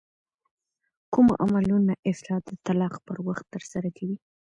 کوم عملونه افراد د طلاق پر وخت ترسره کوي؟